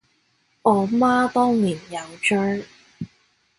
我媽當年有追